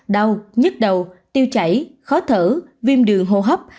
đau nhức đầu tiêu chảy khó thở viêm đường hô hấp